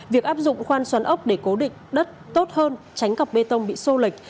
việc áp dụng khoan xoắn ốc để cố định đất tốt hơn tránh cặp bê tông bị sô lệch